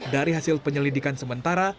dari hasil penyelidikan sementara